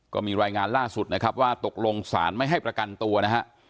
ก็มีรายงานล่าสุดนะครับว่าตกลงศาลไม่ให้ประกันตัวนะฮะ